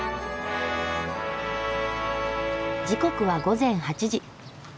時刻は午前８時。